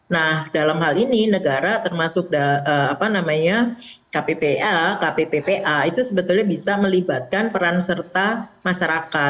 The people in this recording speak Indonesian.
nah dalam hal ini negara termasuk kppa kpppa itu sebetulnya bisa melibatkan peran serta masyarakat